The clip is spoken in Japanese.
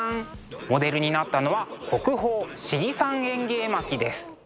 モデルになったのは国宝「信貴山縁起絵巻」です。